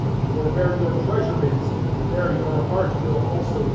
(21)For where your treasure is, there will your heart be also.